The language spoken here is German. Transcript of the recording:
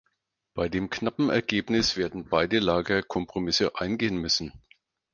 Bei dem knappen Ergebnis werden beide Lager Kompromisse eingehen müssen.